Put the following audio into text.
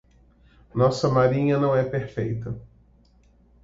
A nossa marinha não é perfeita.